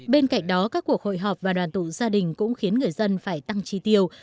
bên cạnh đó các cuộc hội họp và đoàn tụ gia đình cũng khiến người dân phải tăng chi tiêu